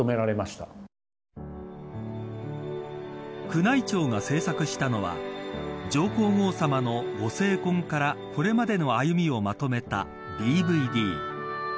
宮内庁が制作したのは上皇后さまのご成婚からこれまでの歩みをまとめたＤＶＤ。